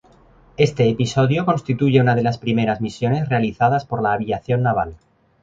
Este episodio constituye una de las primeras misiones realizadas por la aviación naval.